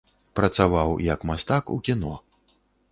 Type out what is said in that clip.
Працаваў як мастак у кіно.